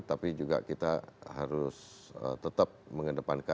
tapi juga kita harus tetap mengedepankan